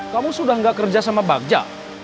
kamu sudah tidak kerja sama bagja